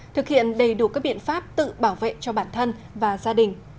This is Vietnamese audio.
thực hiện đầy đủ các biện pháp tự bảo vệ cho bản thân và gia đình